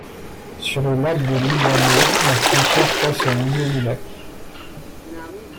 Sur le lac de Lugano, la frontière passe au milieu du lac.